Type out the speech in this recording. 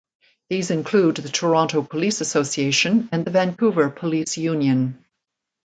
These include the Toronto Police Association and the Vancouver Police Union.